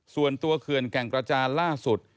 ส่วนตัวเขื่อนแก่งกระจานล่าสุด